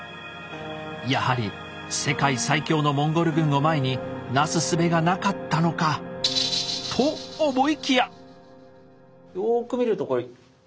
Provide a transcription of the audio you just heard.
やはり世界最強のモンゴル軍を前になすすべがなかったのかと思いきや。